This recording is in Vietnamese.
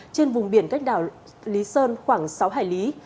trên vùng biển cách đảo lý sơn khoảng sáu hải lý